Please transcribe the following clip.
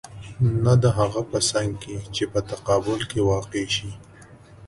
نه د هغه په څنګ کې چې په تقابل کې واقع شي.